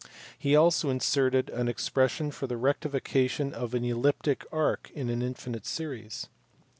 He also inserted an expression for the rectification of an elliptic arc in an infinite series.